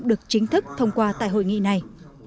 được chính thức thông qua tại hội nghị này